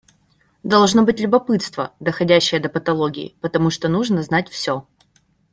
Должно быть любопытство, доходящее до патологии, потому что нужно знать все.